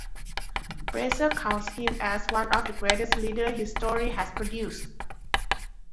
Fraser counts him as one of greatest leaders history has produced.